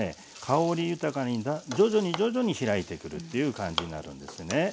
香り豊かに徐々に徐々にひらいてくるっていう感じになるんですね。